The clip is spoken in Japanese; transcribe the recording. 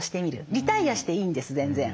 リタイアしていいんです全然。